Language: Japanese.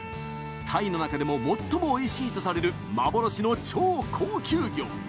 鯛の中でも最もおいしいとされる幻の超高級魚。